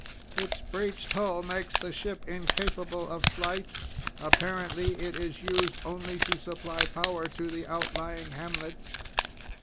"Its breached hull makes the ship incapable of flight. Apparently it is used only to supply power to the outlying hamlets."